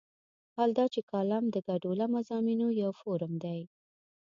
حال دا چې کالم د ګډوله مضامینو یو فورم دی.